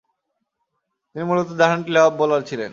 তিনি মূলতঃ ডানহাতি লব বোলার ছিলেন।